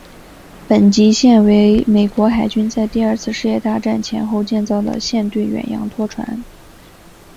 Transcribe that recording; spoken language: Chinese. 本级舰为美国海军在第二次世界大战前后建造的舰队远洋拖船。